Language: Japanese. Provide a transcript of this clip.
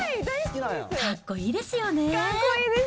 かっこいいですよね。